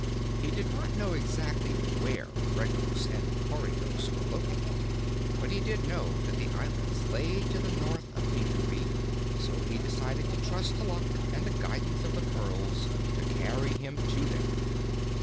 He did not know exactly where Regos and Coregos were located, but he did know that the islands lay to the north of Pingaree, so he decided to trust to luck and the guidance of the pearls to carry him to them.